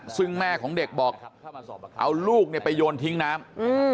ซึ่งแม่ของเด็กบอกเอาลูกไปโยนทิ้งน้ำ